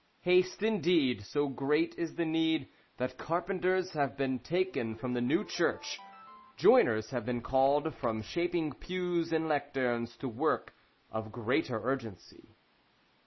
Haste indeed! So great is the need That carpenters have been taken from the new church, Joiners have been called from shaping pews and lecterns To work of greater urgency.